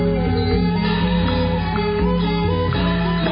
ทรงเป็นน้ำของเรา